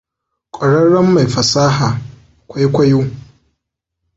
Ƙwararren mai fasaha, kwaikwayo.